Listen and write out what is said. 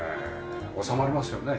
収まりますよね。